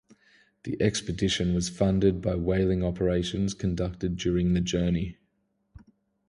The expedition was funded by whaling operations conducted during the journey.